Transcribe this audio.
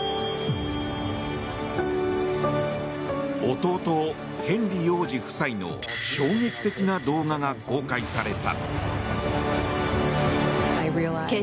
弟ヘンリー王子夫妻の衝撃的な動画が公開された。